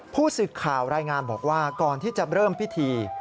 ผู้สื่อข่าวรายงานบอกว่าก่อนที่จะเริ่มพิธี